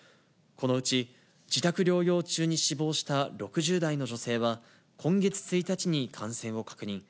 このうち自宅療養中に死亡した６０代の女性は、今月１日に感染を確認。